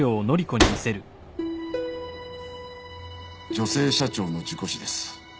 女性社長の事故死です。